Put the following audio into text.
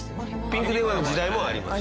ピンク電話の時代もありました。